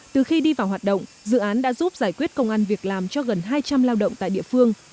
từ khi đi vào hoạt động dự án đã giúp giải quyết công an việc làm cho gần hai trăm năm mươi người